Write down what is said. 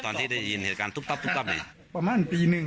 ตอนที่ได้ยินเหตุการณ์ตุ๊บตับตุ๊บตับอีกประมาณปีหนึ่ง